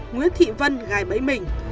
nguyễn thị vân gài bẫy mình